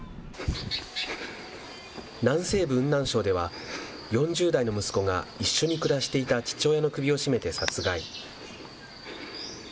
南西部、雲南省では４０代の息子が一緒に暮らしていた父親の首を絞めて殺害。